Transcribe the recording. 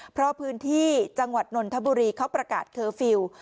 เพราะพื้นที่จังหวัดนนทบุรีเขาประกาศเคอร์ฟิลล์